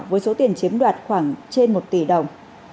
với số tiền chiếm đoạt khoảng trên một tỷ đồng